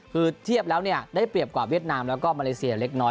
คือเทียบแล้วเนี่ยได้เปรียบกว่าเวียดนามแล้วก็มาเลเซียเล็กน้อย